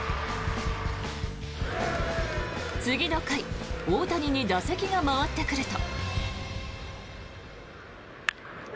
次の回、大谷に打席が回ってくると。